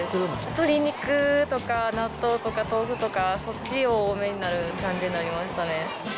鶏肉とか納豆とか豆腐とか、そっちを多めになる感じになりましたね。